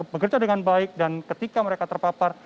bekerja dengan baik dan ketika mereka terpapar